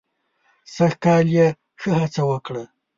سږ کال یې ښه هڅه وکړه.